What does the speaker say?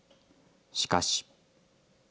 しかし。